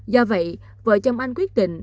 do vậy vợ chồng anh quyết định